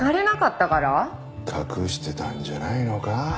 隠してたんじゃないのか？